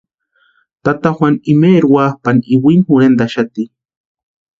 Tata Juanu imaeri wapʼani iwini jorhentʼaxati.